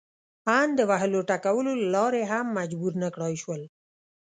ان د وهلو ټکولو له لارې هم مجبور نه کړای شول.